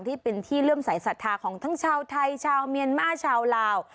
ที่เป็นที่เริ่มสายศรัทธาของทั้งชาวไทยชาวเมียนมาร์ชาวลาว